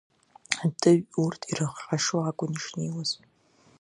Атыҩ урҭ ирыхҟьашо акәын ишнеиуаз.